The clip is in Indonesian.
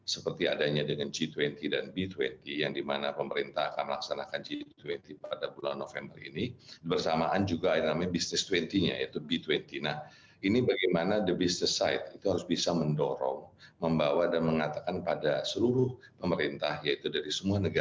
sekarang kita sedang ada us asean